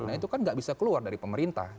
nah itu kan nggak bisa keluar dari pemerintah